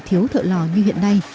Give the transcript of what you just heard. thiếu thợ lò như hiện nay